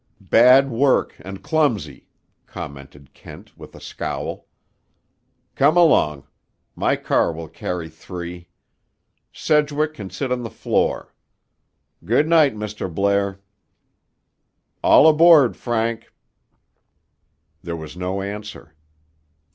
"Bad work and clumsy," commented Kent with a scowl. "Come along. My car will carry three. Sedgwick can sit on the floor. Good night, Mr. Blair. All aboard, Frank." There was no answer.